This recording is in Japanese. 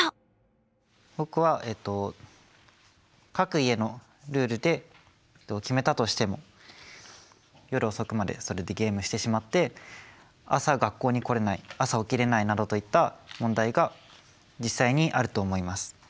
僕は各家のルールで決めたとしても夜遅くまでそれでゲームしてしまって朝学校に来れない朝起きれないなどといった問題が実際にあると思います。